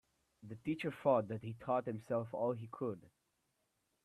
The teacher thought that he'd taught himself all he could.